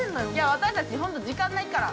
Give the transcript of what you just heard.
◆私たち時間ないから！